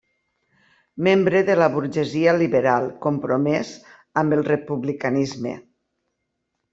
Membre de la burgesia liberal compromès amb el republicanisme.